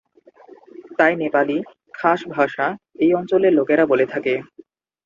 তাই, নেপালি "খাস ভাষা" এই অঞ্চলের লোকেরা বলে থাকে।